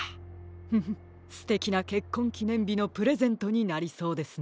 フフすてきなけっこんきねんびのプレゼントになりそうですね。